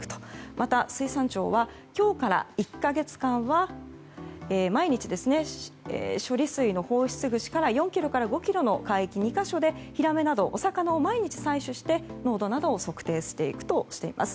また、水産庁は今日から１か月間は毎日、処理水の放出口から４ｋｍから５ｋｍの海域２か所でヒラメなどのお魚を毎日採取して濃度などを測定していくとしています。